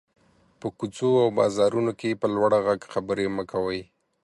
په کوڅو او بازارونو کې په لوړ غږ خبري مه کوٸ.